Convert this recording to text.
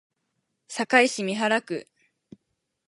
堺市美原区